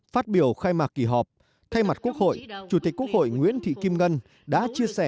phát biểu khai mạc kỳ họp thay mặt quốc hội chủ tịch quốc hội nguyễn thị kim ngân đã chia sẻ